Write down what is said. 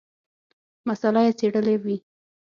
مساله یې څېړلې وي.